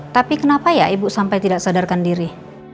tapi kenapa ya ibu sampai tidak sadarkan diri